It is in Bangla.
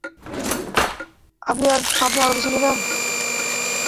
আপনি আর কিছু নিবেন?